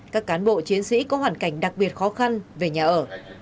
các cán bộ chiến sĩ có hoàn cảnh đặc biệt khó khăn về nhà ở